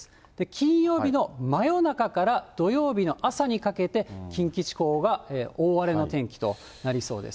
金曜日の真夜中から土曜日の朝にかけて、近畿地方が大荒れの天気となりそうです。